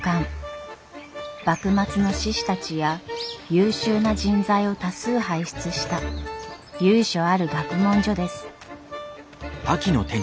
幕末の志士たちや優秀な人材を多数輩出した由緒ある学問所です。